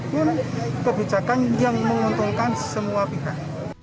ini kebijakan yang menguntungkan semua pihak